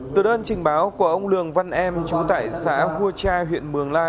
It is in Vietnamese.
từ đơn trình báo của ông lường văn em chú tại xã hua cha huyện mường la